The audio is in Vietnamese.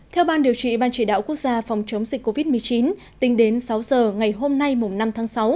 theo ban điều trị ban chỉ đạo quốc gia phòng chống dịch covid một mươi chín tính đến sáu giờ ngày hôm nay năm tháng sáu